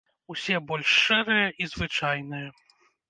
Усе больш шэрыя і звычайныя.